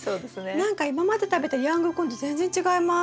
何か今まで食べたヤングコーンと全然違います。